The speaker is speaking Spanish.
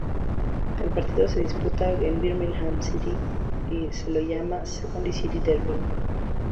Al partido que disputa con Birmingham City se lo llama ""Second City derby"".